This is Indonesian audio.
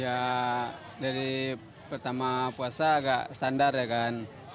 ya dari pertama puasa agak standar ya kan